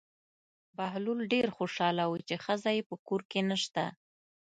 بهلول ډېر خوشحاله و چې ښځه یې په کور کې نشته.